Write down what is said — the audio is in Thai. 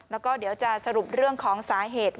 แล้วก็เดี๋ยวจะสรุปเรื่องของสาเหตุ